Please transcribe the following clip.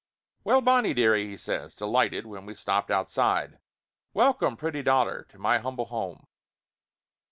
"Well, Bonnie, dearie !" he says, delighted, when we stopped outside. "Welcome, pretty daughter, to my humble home."